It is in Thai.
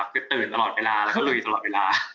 คือตื่นตลอดเวลาแล้วก็ลุยตลอดเวลา